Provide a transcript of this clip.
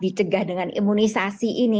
dicegah dengan imunisasi ini